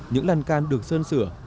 những làn can được sơn sửa